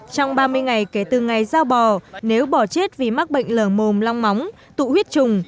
trong ba mươi ngày kể từ ngày giao bò nếu bò chết vì mắc bệnh lở mồm long móng tụ huyết trùng